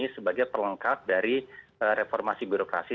sebagai perlengkap dari reformasi birokrasi